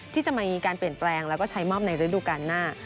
ที่จะมีการเปลี่ยนแปลงแล้วก็ใช้มอบในฤดูการหน้า